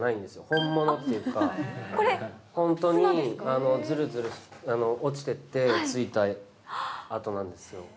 本物というか、本当にずるずる落ちていってついた跡なんですよ。